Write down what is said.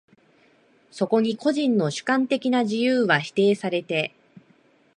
そこに個人の主観的な自由は否定されて、